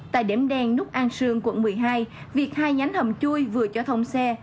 tại điểm đen nút an sương quận một mươi hai việc hai nhánh hầm chui vừa cho thông xe